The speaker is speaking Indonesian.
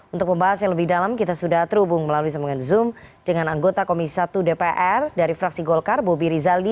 untuk pembahas yang lebih dalam kita sudah terhubung melalui semuanya zoom dengan anggota komisi satu dpr dari fraksi golkar bobi rizaldi